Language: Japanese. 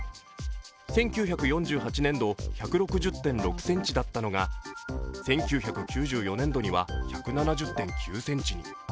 １９４８年度、１６０．６ｃｍだったのが１９９４年度には、１７０．９ｃｍに。